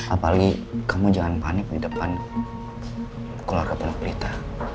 apalagi kamu jangan panik di depan keluarga anak berita